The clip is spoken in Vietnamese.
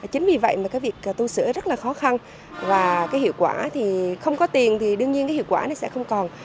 chính vì vậy mà cái việc tu sửa rất là khó khăn và cái hiệu quả thì không có tiền thì đương nhiên cái hiệu quả này sẽ không còn